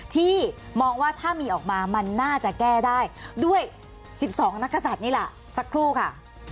ที่มองว่าถ้ามีออกมามันน่าจะแก้ได้ด้วย๑๒นักศัตริย์นี่แหละสักครู่ค่ะ